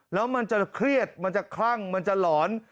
แล้วมันจะเครียดมันจะคลั่งมันจะหลอน